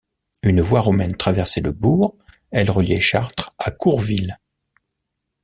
Une voie romaine traversait le bourg, elle reliait Chartres à Courville.